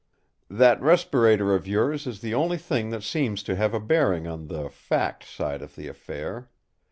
That respirator of yours is the only thing that seems to have a bearing on the 'fact' side of the affair.